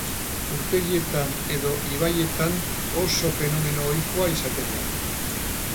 Urtegietan, edo ibaietan, oso fenomeno ohikoa izaten da.